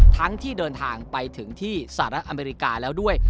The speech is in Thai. ทั้งที่เดินทางไปถึงที่สหรัฐอเมริกาแล้วด้วย